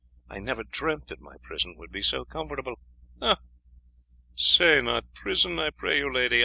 I never dreamt that my prison would be so comfortable." "Say not prison, I pray you, lady.